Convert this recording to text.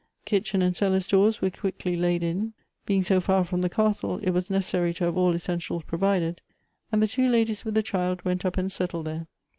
Kitchen and cellar stores were quickly laid in ; being so far from the castle, it *as necessary to have all essentials provided ; and the two ladies with the child went up and settled there.